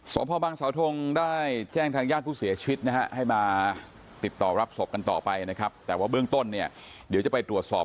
พ่อบางสาวทงได้แจ้งทางญาติผู้เสียชีวิตนะฮะให้มาติดต่อรับศพกันต่อไปนะครับแต่ว่าเบื้องต้นเนี่ยเดี๋ยวจะไปตรวจสอบ